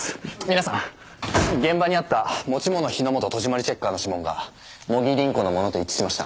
皆さん現場にあった持ち物火の元戸締りチェッカーの指紋が茂木凛子のものと一致しました。